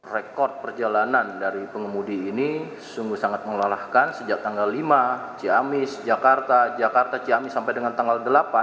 rekod perjalanan dari pengemudi ini sungguh sangat melelahkan sejak tanggal lima ciamis jakarta jakarta ciamis sampai dengan tanggal delapan